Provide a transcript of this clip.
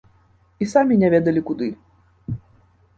І самі не ведалі куды.